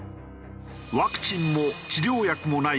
ワクチンも治療薬もない